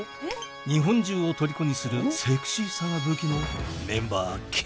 「日本中をとりこにするセクシーさが武器のメンバーＫ」